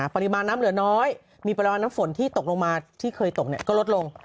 ปริมาณน้ำเหลือน้อยมีปริมาณน้ำฝนที่ตกลงมาที่เคยตกก็ลดลง